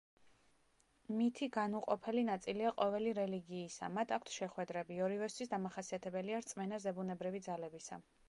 მითი განუყოფელი ნაწილია ყოველი რელიგიისა, მათ აქვთ შეხვედრები, ორივესთვის დამახასიათებელია რწმენა ზებუნებრივი ძალებისა.